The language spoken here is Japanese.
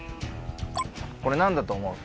これ何だと思う？